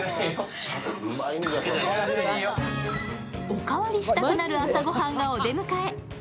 お代わりしたくなる朝ご飯がお出迎え。